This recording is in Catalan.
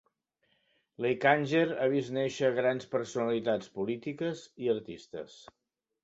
Leikanger ha vist néixer grans personalitats polítiques i artistes.